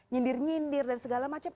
nyindir nyindir dan segala macam